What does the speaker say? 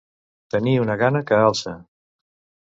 Tenir una gana que alça.